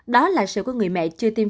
đó là sự của người mẹ